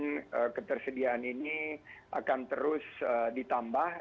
kemudian ketersediaan ini akan terus ditambah